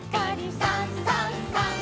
「さんさんさん」